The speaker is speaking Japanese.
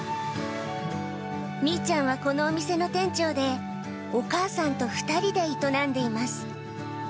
みいちゃんはこのお店の店長で、お母さんと２人で営んでいます。